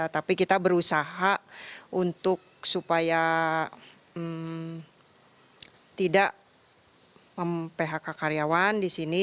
tapi kita berusaha supaya tidak mempahak karyawan di sini